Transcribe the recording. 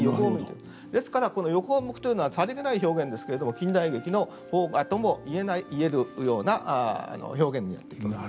ですから横を向くというのはさりげない表現ですけれども近代劇の萌芽とも言えるような表現になっていきます。